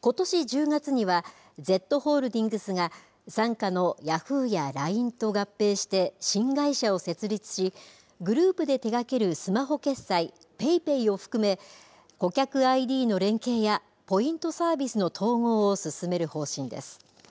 ことし１０月には、Ｚホールディングスが、傘下のヤフーやＬＩＮＥと合併して新会社を設立し、グループで手がけるスマホ決済、ＰａｙＰａｙを含め、顧客ＩＤの連携や、ポイントサービスの統合を進める方針です。